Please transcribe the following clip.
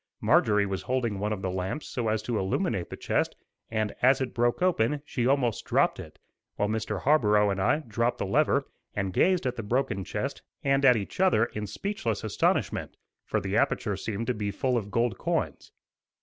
Marjorie was holding one of the lamps so as to illuminate the chest, and, as it broke open, she almost dropped it, while Mr. Harborough and I dropped the lever and gazed at the broken chest and at each other in speechless astonishment; for the aperture seemed to be full of gold coins.